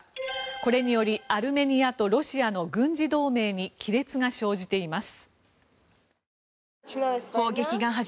これによりアルメニアとロシアの軍事同盟に亀裂が生じています。